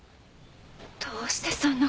どうしてそんな事。